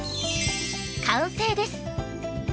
完成です。